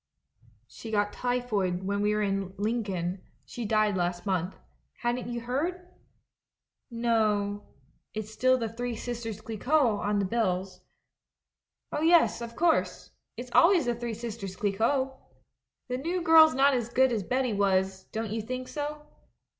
" 'She got tj^phoid when we were in Lincoln — she died last month. Hadn't you heard?' " 'No. ... It's still "The Three Sisters Clic quot" on the bills.' " 'Oh, yes, of course — it's always "The Three Sisters Clicquot." ... The new girl's not as good as Betty was — do you think so?'